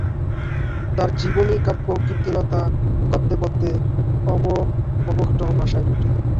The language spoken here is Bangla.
তাঁর জীবনীকাব্য কীর্তিলতা গদ্যেপদ্যে অবহট্ঠ ভাষায় রচিত।